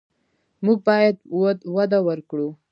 موږ باید وده ورکړو.